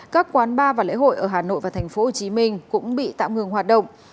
các quán bar và lễ hội ở hà nội và tp hcm cũng bị tạm ngừng hoạt động